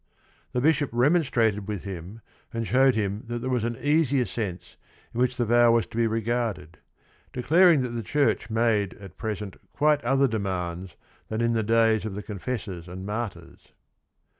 The bishop remon strated with him, and showed him that there was an "easier sense" in which the vow was to be regarded, declaring that the church made at present quite other demands than in the days of the confessors and martyrs.